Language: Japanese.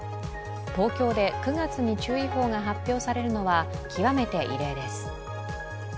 東京で９月に注意報が発表されるのは極めて異例です。